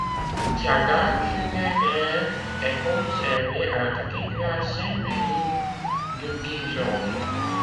Sa dalle funéraire est conservée à la cathédrale Saint-Bénigne de Dijon.